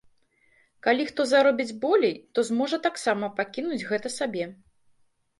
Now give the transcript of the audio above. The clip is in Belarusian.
Калі хто заробіць болей, то зможа таксама пакінуць гэта сабе.